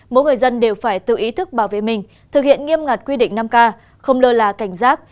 mỗi người dân đều phải tự ý thức bảo vệ mình thực hiện nghiêm ngặt quy định năm k không lơ là cảnh giác